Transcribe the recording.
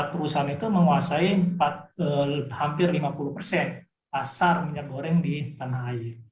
perusahaan itu menguasai hampir lima puluh persen pasar minyak goreng di tanah air